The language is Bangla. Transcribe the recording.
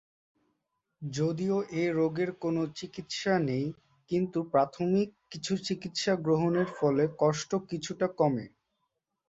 যদিও এ রোগের কোনো চিকিৎসা নেই কিন্তু প্রাথমিক কিছু চিকিৎসা গ্রহণের ফলে কষ্ট কিছুটা কমে।